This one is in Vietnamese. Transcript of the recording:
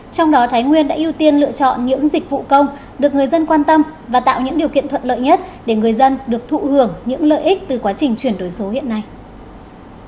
trong đó thái nguyên đã ưu tiên lựa chọn những dịch vụ công được người dân quan tâm và tạo những điều kiện thuận lợi nhất để người dân được thụ hưởng những lợi ích từ quá trình chuyển đổi số hiện nay